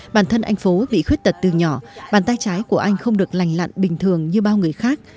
bản thân anh phố bị khuyết tật từ nhỏ bàn tay trái của anh không được lành lặn bình thường như bao người khác